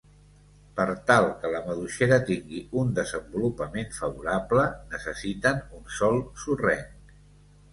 Per tal que la maduixera tingui un desenvolupament favorable, necessiten un sòl sorrenc.